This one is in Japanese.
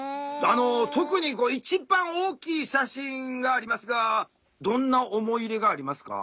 特に一番大きい写真がありますがどんな思い入れがありますか？